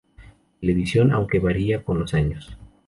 Television, aunque variaría con los años.